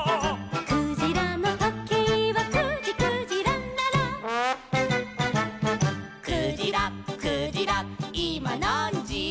「クジラのとけいは９じ９じららら」「クジラクジラいまなんじ」